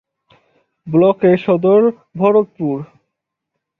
ব্লকের সদর ভরতপুর।